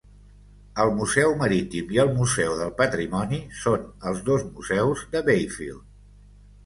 El museu marítim i el museu del patrimoni són els dos museus de Bayfield.